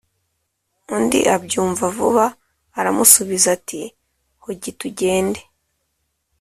undi abyumva vuba, aramusubiza ati «hogi tugende,